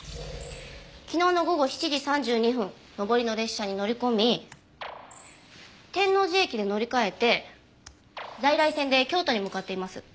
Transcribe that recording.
昨日の午後７時３２分上りの列車に乗り込み天王寺駅で乗り換えて在来線で京都に向かっています。